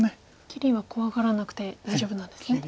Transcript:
切りは怖がらなくて大丈夫なんですね。